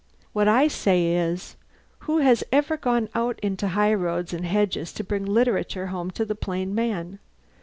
What I say is, who has ever gone out into high roads and hedges to bring literature home to the plain man?